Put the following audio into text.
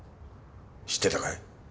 知ってたかい？